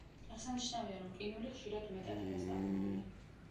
აღსანიშნავია, რომ ყინული ხშირად მეტად არასტაბილურია.